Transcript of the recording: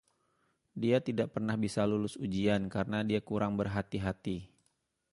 Dia tidak pernah bisa lulus ujian, karena dia kurang berhati-hati.